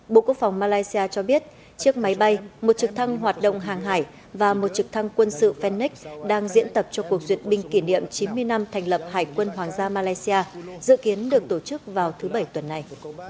bộ quốc phòng malaysia cho biết chiếc máy bay một trực thăng hoạt động hàng hải và một trực thăng quân sự fennics đang diễn tập cho cuộc duyệt binh kỷ niệm chín mươi năm thành lập hải quân hoàng gia malaysia dự kiến được tổ chức vào thứ bảy tuần này